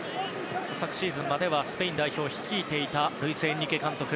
昨シーズンまではスペイン代表を率いていたルイス・エンリケ監督。